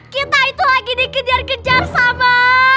kita itu lagi dikejar kejar sama